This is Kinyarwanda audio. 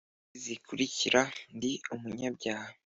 nki izi zikurikira Ndi umunyabyaha